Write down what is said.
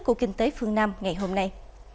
của kinh tế phương nam ngày hôm nay